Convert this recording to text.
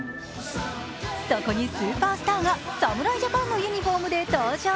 そこにスーパースターが侍ジャパンのユニフォームで登場。